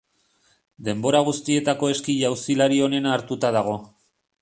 Denbora guztietako eski jauzilari onena hartuta dago.